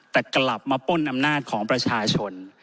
แต่กลับมาป้นอำนาจของประชาชน